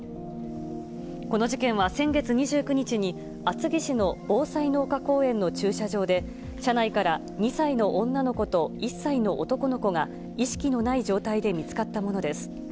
この事件は先月２９日に、厚木市のぼうさいの丘公園の駐車場で、車内から２歳の女の子と１歳の男の子が、意識のない状態で見つかったものです。